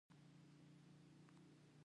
د جمعې پر ورځ مې له اکا سره خبرې وکړې.